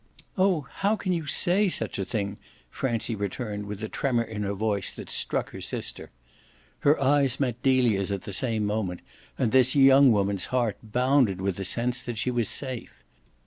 "Oh how can you say such a thing?" Francie returned with a tremor in her voice that struck her sister. Her eyes met Delia's at the same moment, and this young woman's heart bounded with the sense that she was safe.